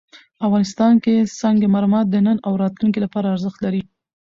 افغانستان کې سنگ مرمر د نن او راتلونکي لپاره ارزښت لري.